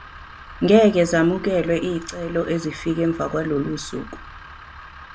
Ngeke zamukelwe izicelo ezifike emva kwalolu suku.